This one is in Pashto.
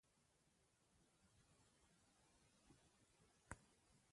د وخت په تېرېدو سره يې ټول درځونه له منځه وړي.